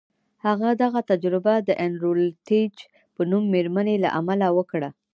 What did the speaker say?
هغه دغه تجربه د ان روتلیج په نوم مېرمنې له امله وکړه